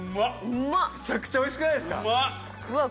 めちゃくちゃおいしくないですか？